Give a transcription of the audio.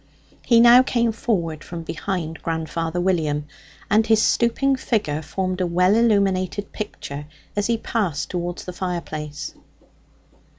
He now came forward from behind grandfather William, and his stooping figure formed a well illuminated picture as he passed towards the fire place.